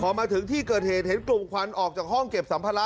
พอมาถึงที่เกิดเหตุเห็นกลุ่มควันออกจากห้องเก็บสัมภาระ